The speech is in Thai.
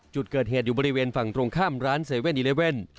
จุดเกิดเหตุอยู่บริเวณฝั่งตรงข้ามร้าน๗๑๑